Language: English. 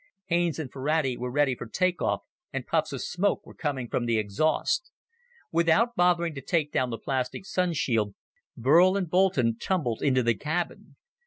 Haines and Ferrati were ready for take off and puffs of smoke were coming from the exhaust. Without bothering to take down the plastic Sun shield, Burl and Boulton tumbled into the cabin.